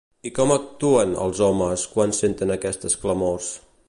I com actuen, els homes, quan senten aquestes clamors?